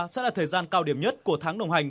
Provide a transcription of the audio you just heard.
sẽ là thời gian cao điểm nhất của tháng đồng hành